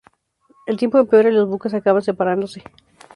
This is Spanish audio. El tiempo empeora y los buques acaban separándose.